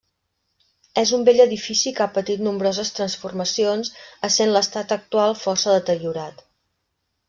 És un vell edifici que ha patit nombroses transformacions essent l'estat actual força deteriorat.